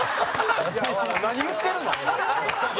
蛍原：何言ってるの？